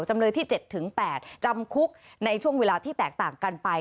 จำเลยที่๗๘จำคุกในช่วงเวลาที่แตกต่างกันไป